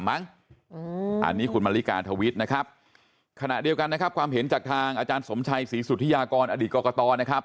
อันนี้คุณมริกาทวิตนะครับขณะเดียวกันนะครับความเห็นจากทางอาจารย์สมชัยศรีสุธิยากรอดีตกรกตนะครับ